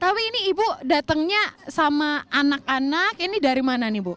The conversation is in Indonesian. tapi ini ibu datangnya sama anak anak ini dari mana nih bu